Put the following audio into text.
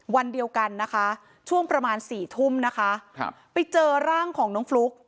วันเดียวกันนะคะช่วงประมาณสี่ทุ่มนะคะครับไปเจอร่างของน้องฟลุ๊ก